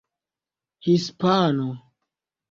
hispano